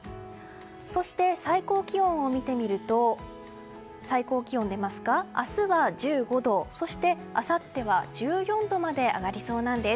そして最高気温を見てみると明日は１５度そして、あさっては１４度まで上がりそうなんです。